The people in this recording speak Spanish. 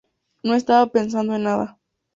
No estaba pensando en nada.